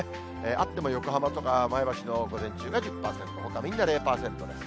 あっても横浜とか前橋の午前中が１０％、ほかみんな０％です。